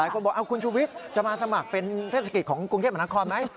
คุณชูวิตจะมาสมัครเป็นเทศกิจของกรุงเทพมนักคอร์ไหม